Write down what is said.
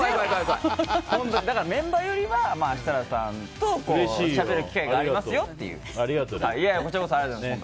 メンバーよりは設楽さんとしゃべる機会がありがとね。